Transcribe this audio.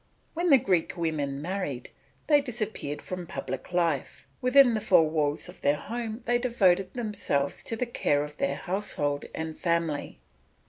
When the Greek women married, they disappeared from public life; within the four walls of their home they devoted themselves to the care of their household and family.